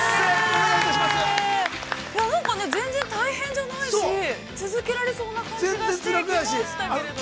なんか全然大変じゃないし続けられそうな感じでしたけれども。